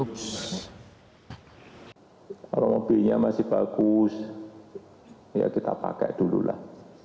kalau mobilnya masih bagus ya kita pakai dululah